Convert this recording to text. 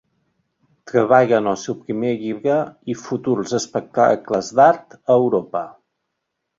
Treballa en el seu primer llibre i futurs espectacles d'art a Europa.